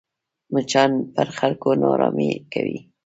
مچان پر خلکو ناارامي کوي